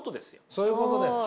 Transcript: そういうことです。